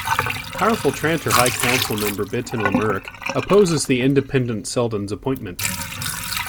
Powerful Trantor High Council member Betan Lamurk opposes the independent Seldon's appointment.